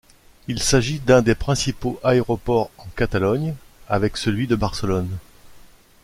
Il s'agit d'un des principaux aéroports en Catalogne, avec celui de Barcelone.